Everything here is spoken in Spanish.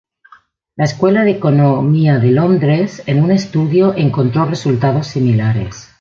La Escuela de Economía de Londres en un estudio encontró resultados similares.